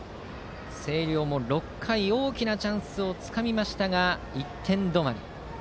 星稜も６回に大きなチャンスをつかみましたが１点止まり。